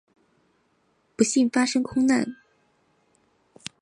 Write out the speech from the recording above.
不幸发生空难。